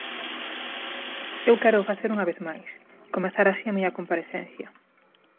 Eu quéroo facer unha vez máis, comezar así a miña comparecencia.